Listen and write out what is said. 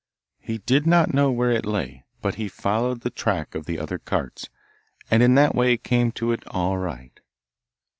He did not know where it lay, but he followed the track of the other carts, and in that way came to it all right.